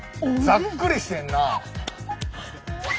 ざっくりしてるなあ。